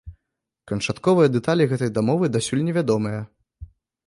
Канчатковыя дэталі гэтай дамовы дасюль не вядомыя.